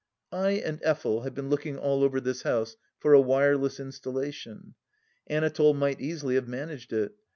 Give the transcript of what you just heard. I and Effel have been looking all over this house for a wireless installation. Anatole might easily have managed it.